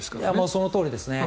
そのとおりですね。